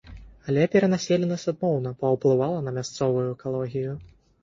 Але перанаселенасць адмоўна паўплывала на мясцовую экалогію.